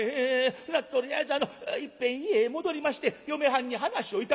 ほなとりあえずあのいっぺん家へ戻りまして嫁はんに話をいたします」。